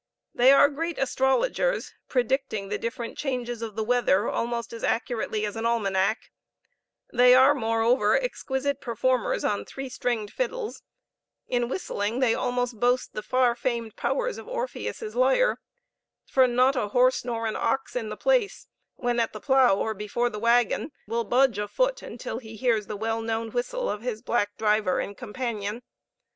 They are great astrologers, predicting the different changes of weather almost as accurately as an almanac; they are, moreover, exquisite performers on three stringed fiddles; in whistling they almost boast the far famed powers of Orpheus' lyre, for not a horse nor an ox in the place, when at the plough or before the wagon, will budge a foot until he hears the well known whistle of his black driver and companion.